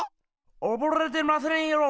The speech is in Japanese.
おぼれてませんよ。